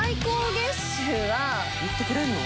言ってくれるの？